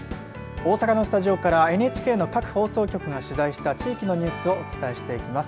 大阪のスタジオからＮＨＫの各放送局が取材した地域のニュースをお伝えします。